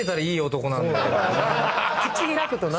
口開くとな。